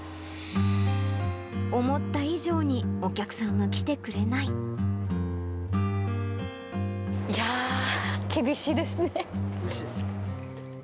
思った以上に、お客さんは来いやぁ、厳しいですね。